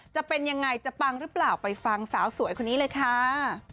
จะเป็นยังไงจะปังหรือเปล่าไปฟังสาวสวยคนนี้เลยค่ะ